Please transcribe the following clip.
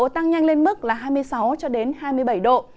tức là hai mươi sáu hai mươi bảy độ